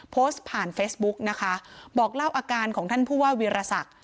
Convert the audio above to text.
โพสต์ผ่านเฟซบุ๊กนะคะบอกเล่าอาการของท่านผู้ว่าวีรศักดิ์